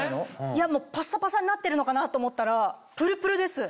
いやパッサパサになってるのかなと思ったらプルプルです